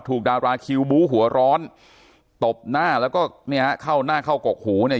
ดาราคิวบู้หัวร้อนตบหน้าแล้วก็เนี่ยเข้าหน้าเข้ากกหูเนี่ย